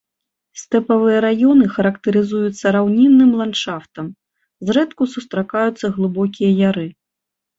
Стэпавыя раёны характарызуюцца раўнінным ландшафтам, зрэдку сустракаюцца глыбокія яры.